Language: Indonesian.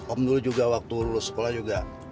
om dulu juga waktu lulus sekolah juga